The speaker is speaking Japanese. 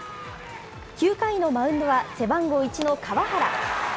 ９回のマウンドは背番号１の川原。